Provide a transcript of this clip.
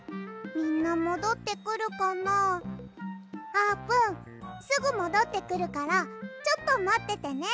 あーぷんすぐもどってくるからちょっとまっててね。